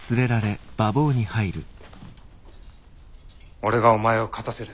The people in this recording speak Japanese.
俺がお前を勝たせる。